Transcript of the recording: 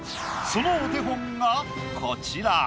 そのお手本がこちら。